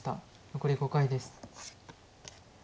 残り５回です。